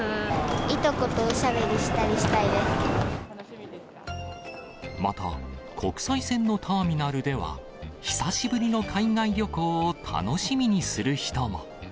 いとことおしゃべりしたりしまた、国際線のターミナルでは、久しぶりの海外旅行を楽しみにする人も。